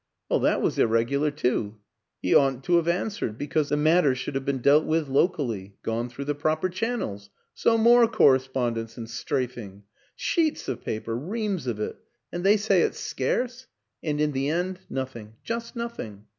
Well, that was irregular too; he oughtn't to have answered because the matter should have been dealt with locally ' gone through the proper channels.' So more correspondence and strafing. ... Sheets of pa per reams of it and they say it's scarce ! And in the end, nothing just nothing.